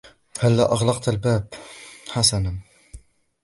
" هلّا أغلقت الباب ؟"" حسنًا ".